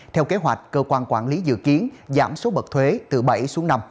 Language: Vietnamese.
theo kế hoạch cơ quan quản lý dự kiến giảm số bậc thuế từ bảy xuống năm